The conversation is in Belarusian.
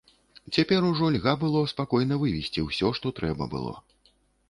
Цяпер ужо льга было спакойна вывезці ўсё, што трэба было.